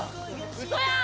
ウソやん！